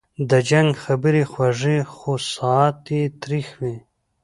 د جنګ خبري خوږې خو ساعت یې تریخ وي